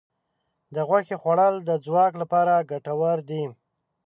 د غوښې خوړل د ځواک لپاره ګټور دي.